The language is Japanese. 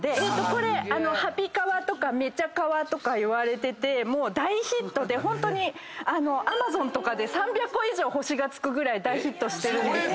これ『ハピかわ』とか『めちゃカワ』とかいわれててもう大ヒットでホントにＡｍａｚｏｎとかで３００個以上星が付くぐらい大ヒットしてるんですけれども。